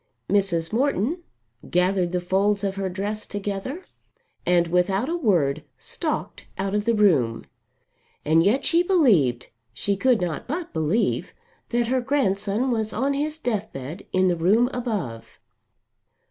Mrs. Morton gathered the folds of her dress together and without a word stalked out of the room. And yet she believed, she could not but believe, that her grandson was on his deathbed in the room above!